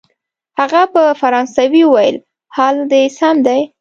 هغه په فرانسوي وویل: حالت دی سم دی؟